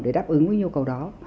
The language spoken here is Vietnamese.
để đáp ứng với nhu cầu đó